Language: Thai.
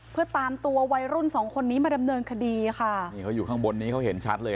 เพื่อตามตัววัยรุ่นสองคนนี้มาดำเนินคดีค่ะนี่เขาอยู่ข้างบนนี้เขาเห็นชัดเลย